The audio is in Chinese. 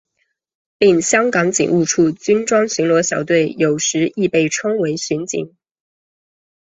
另香港警务处军装巡逻小队有时亦被称为巡警。